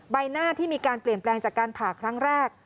ใบหน้าที่มีการเปลี่ยนแปลงจากการผ่าครั้งแรก